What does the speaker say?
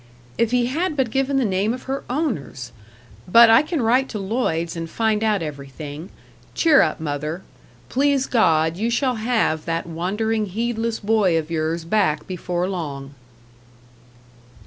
If he had but given the name of her owners! But I can write to Lloyd's and find out everything. Cheer up, mother. Please God, you shall have that wandering, heedless boy of yours back before long."